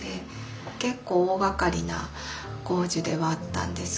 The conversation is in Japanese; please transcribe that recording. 結構大がかりな工事ではあったんですけど